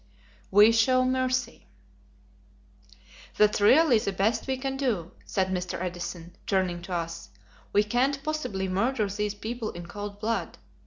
We Show Mercy. "That's really the best we can do," said Mr. Edison, turning to us. "We can't possibly murder these people in cold blood.